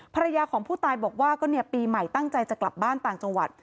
ภรรยาของผู้ตายบอกว่าก็เนี่ยปีใหม่ตั้งใจจะกลับบ้านต่างจังหวัด